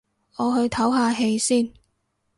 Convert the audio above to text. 我去唞下氣先